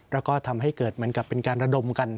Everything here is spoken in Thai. แล้วก็ทำให้เกิดเหมือนกับเป็นการระดมกัน